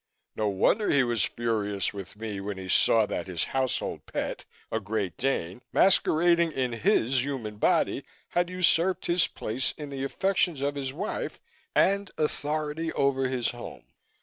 No wonder he was furious with me when he saw that his household pet a Great Dane masquerading in his human body, had usurped his place in the affections of his wife and in authority over his home.